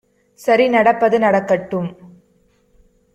சரி நடப்பது நடக்கட்டும்